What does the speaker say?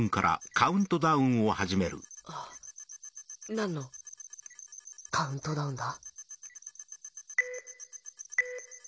何のカウントダウンだ？